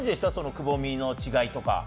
くぼみの違いとか。